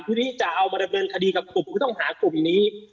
ที่จะเอามาดำเนินคดีกับกลุ่มผู้ต้องหากลุ่มนี้